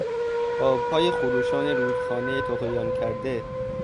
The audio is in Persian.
آبهای خروشان رودخانهی طغیان کرده